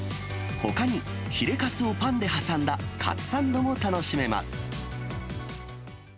ほかに、ヒレカツをパンで挟んだカツサンドも楽しめます。